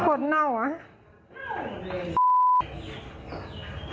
โคตรเน่าอ่ะ